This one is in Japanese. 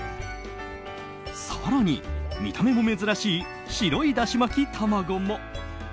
更に、見た目も珍しい白いだし巻き卵も。